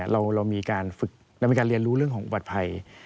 เรามีการเรียนรู้เรื่องของอุบัติภัย